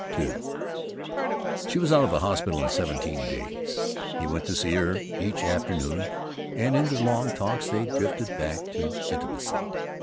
II She was out of the hospital in seventeen days. He went to see her each afternoon, and in their long talks they drifted back to intimacy.